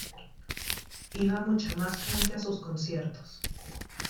Iba mucha más gente a sus conciertos.